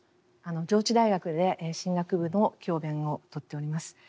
上智大学で神学部の教鞭をとっております。